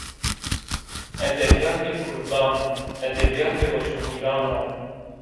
Edebîyatê kurdan, edebîyatê roşnvîran o